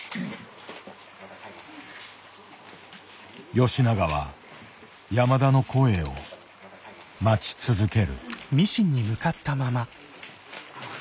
吉永は山田の声を待ち続ける。